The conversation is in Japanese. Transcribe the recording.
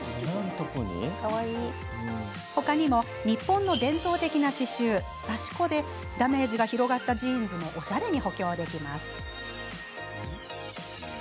他にも、日本の伝統的な刺しゅう刺し子でダメージが広がったジーンズもおしゃれに補強できます。